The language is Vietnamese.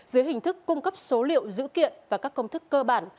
dưới hình thức cung cấp số liệu dữ kiện và các công thức cơ bản